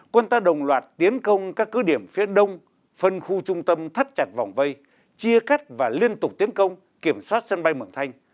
quân ta đồng loạt tiến công các cứ điểm phía đông phân khu trung tâm thắt chặt vòng vây chia cắt và liên tục tiến công kiểm soát sân bay mường thanh